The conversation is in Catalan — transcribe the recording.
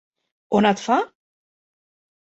On et fa!?